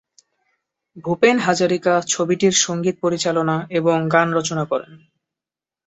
ভূপেন হাজারিকা ছবিটির সঙ্গীত পরিচালনা এবং গান রচনা করেন।